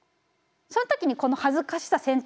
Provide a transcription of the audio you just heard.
その時にこの恥ずかしさ先手